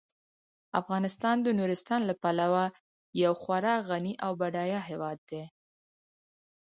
افغانستان د نورستان له پلوه یو خورا غني او بډایه هیواد دی.